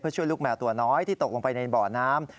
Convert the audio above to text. ช่วยลูกแมวตัวน้อยที่ตกลงไปในบ่อน้ำ